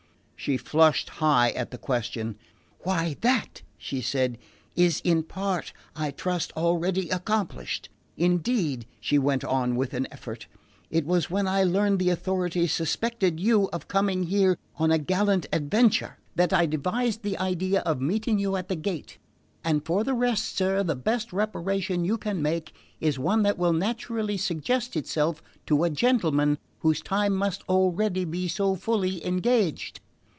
She flushed high at the question. "Why, that," she said, "is in part, I trust, already accomplished; indeed," she went on with an effort, "it was when I learned the authorities suspected you of coming here on a gallant adventure that I devised the idea of meeting you at the gate; and for the rest, sir, the best reparation you can make is one that will naturally suggest itself to a gentleman whose time must already be so fully engaged."